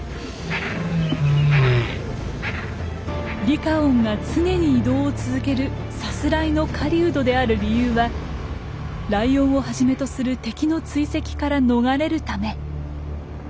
リカオンが常に移動を続ける「さすらいの狩人」である理由はライオンをはじめとする敵の追跡から逃れるため。